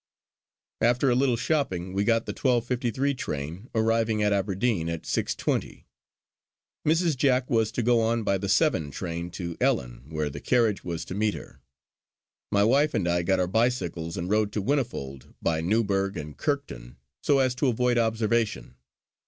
After a little shopping we got the 12:53 train, arriving at Aberdeen at 6:20. Mrs. Jack was to go on by the 7 train to Ellon where the carriage was to meet her. My wife and I got our bicycles and rode to Whinnyfold by Newburgh and Kirkton so as to avoid observation.